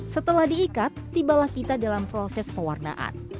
setelah diikat tibalah kita dalam proses pewarnaan